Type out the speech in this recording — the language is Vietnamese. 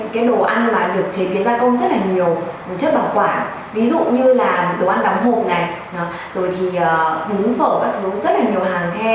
ví dụ như là đồ ăn đóng hộp này rồi thì bún phở các thứ rất là nhiều hàng theo